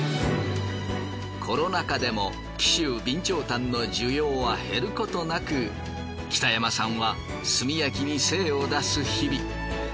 コロナ禍でも紀州備長炭の需要は減ることなく北山さんは炭焼きに精を出す日々。